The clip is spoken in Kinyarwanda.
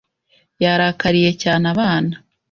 Yarakariye cyane abana.